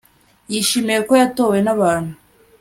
Yishimiye ko yatowe nabantu